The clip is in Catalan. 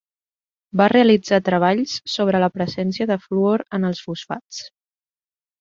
Va realitzar treballs sobre la presència de fluor en els fosfats.